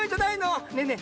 ねえねえ